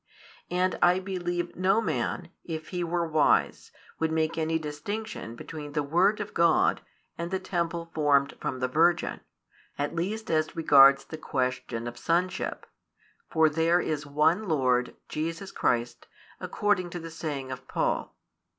And I believe no man, if he were wise, would make any distinction between the Word of God and the Temple formed from the virgin, at least as regards the question of sonship; for there is One Lord, Jesus Christ, according to the saying of Paul.